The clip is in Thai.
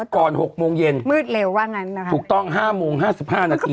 หกโมงเย็นมืดเร็วว่างั้นนะคะถูกต้อง๕โมงห้าสิบห้านาที